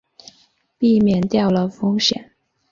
避免掉了风险